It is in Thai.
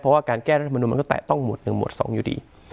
เพราะว่าการแก้รัฐมนุนมันก็แตะต้องหวด๑หมวด๒อยู่ดี